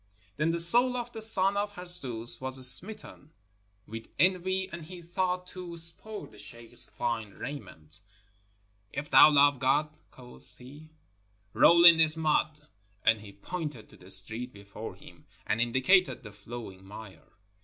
Then the soul of the son of Harzooz was smitten with 31S NORTHERN AFRICA en\^, and he thought to spoil the sheikh's fine raiment. "If thou love God," quoth he, "roll in this mud," and he pointed to the street before him, and indicated the flowing mire.